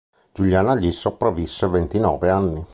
Giuliana gli sopravvisse ventinove anni.